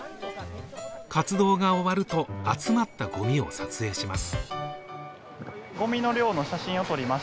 活動が終わると、集まったごみを撮影します。